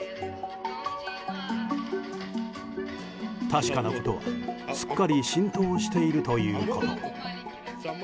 確かなことは、すっかり浸透しているということ。